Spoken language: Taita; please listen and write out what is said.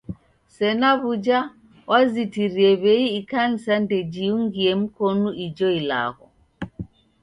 Sena w'uja, wazitirie w'ei ikanisa ndejiungie mkonu ijo ilagho.